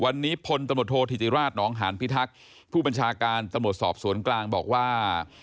วันนี้พลตำรวจโทษธิติราชนองหานพิทักษ์ผู้บัญชาการตำรวจสอบสวนกลางบอกว่า